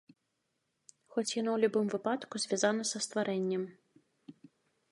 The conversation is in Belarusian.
Хоць, яно ў любым выпадку звязана са стварэннем.